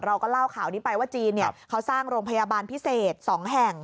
เราก็เล่าข่าวนี้ไปว่าจีนเขาสร้างโรงพยาบาลพิเศษ๒แห่ง